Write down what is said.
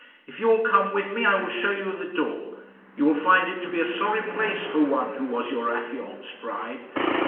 If you will come with me, I will show you the door. You will find it to be a sorry place for one who was your affianced bride."